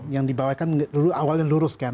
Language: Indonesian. yang dibawa kan awalnya lurus kan